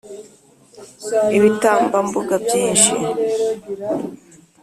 Ibitambambuga byinshi